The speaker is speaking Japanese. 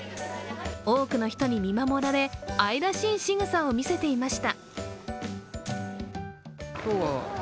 多くの人に見守られ、愛らしいしぐさを見せていました。